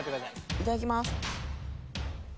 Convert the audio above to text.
いただきます。